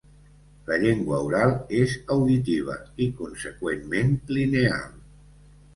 La llengua oral és auditiva i, conseqüentment, lineal.